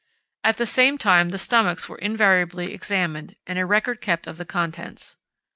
At the same time the stomachs were invariably examined, and a record kept of the contents.